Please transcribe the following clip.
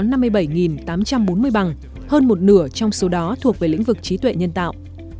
trong năm hai nghìn một mươi chín trung quốc đã nộp tám trăm bốn mươi bằng hơn một nửa trong số đó thuộc về lĩnh vực trí tuệ nhân tạo